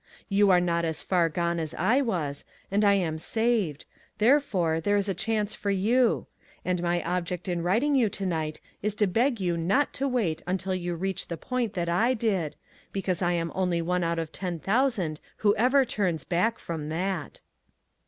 You are not as far gone as I was, and I am saved; therefore, there is a chance for you; and my ob ject in writing you to night is to beg you not to wait until you reach the point that I did, because I am only one out of ten thousand who ever turns back from that.